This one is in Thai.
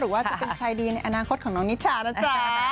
ว่าจะเป็นใครดีในอนาคตของน้องนิชานะจ๊ะ